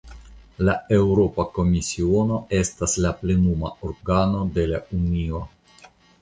La Eŭropa Komisiono estas la plenuma organo de la Unio.